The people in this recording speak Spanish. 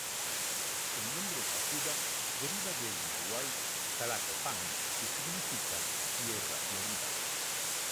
El nombre Tacuba, deriva del náhuatl "Tlacopan", que significa "tierra florida".